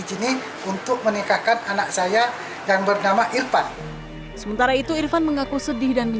rencana kedepannya tidak lagi pak mau memakai narkoba ataupun ingin berubah lagi pak